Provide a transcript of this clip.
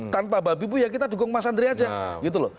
tanpa babi buya kita dukung mas andre aja gitu loh